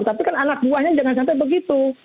tapi kan anak buahnya jangan sampai begitu